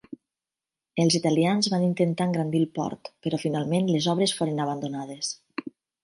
Els italians van intentar engrandir el port, però finalment les obres foren abandonades.